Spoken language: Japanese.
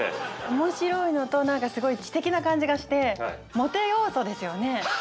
面白いのと何かすごい知的な感じがしてモテ要素ですよね。